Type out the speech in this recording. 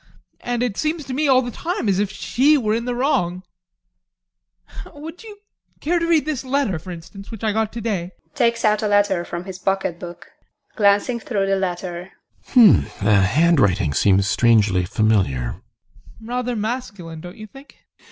And it seems to me all the time as if she were in the wrong Would you care to read this letter, for instance, which I got today? [Takes out a letter from his pocket book.] GUSTAV. [Glancing through the letter] Hm! The handwriting seems strangely familiar. ADOLPH. Rather masculine, don't you think?